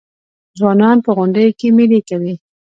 ځوانان په غونډیو کې میلې کوي.